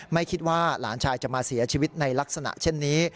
ไม่คิดว่าหลานชายจะมาเสียชีวิตในลักษณะเช่นนี้